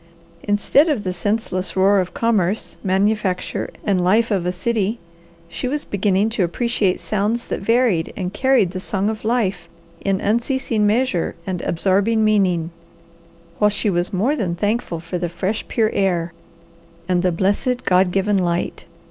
Instead of the senseless roar of commerce, manufacture, and life of a city, she was beginning to appreciate sounds that varied and carried the Song of Life in unceasing measure and absorbing meaning, while she was more than thankful for the fresh, pure air, and the blessed, God given light.